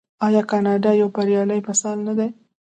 آیا کاناډا یو بریالی مثال نه دی؟